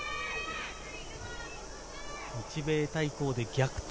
日米対抗で逆転